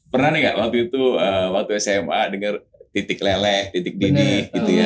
pernah nggak waktu itu waktu sma denger titik leleh titik didih gitu ya